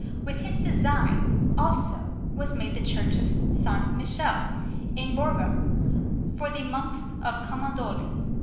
With his design, also, was made the Church of S. Michele in Borgo for the Monks of Camaldoli.